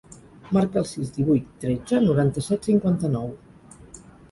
Marca el sis, divuit, tretze, noranta-set, cinquanta-nou.